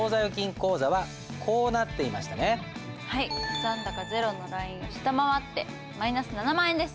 残高ゼロのラインを下回ってマイナス７万円です。